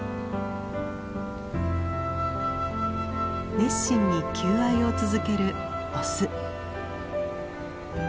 熱心に求愛を続けるオス。